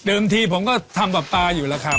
อ๋อเดิมทีผมก็ทำปลาปลาอยู่แล้วครับ